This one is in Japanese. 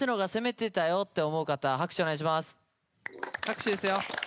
拍手ですよ。